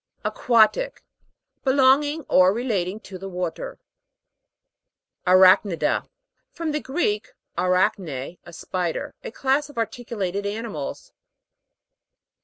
AQUA'TIC. Belonging or relating to the water. ARACH'NIDA (arak' ne da), From the Greek, arachne, a spider. A class of articulated animals.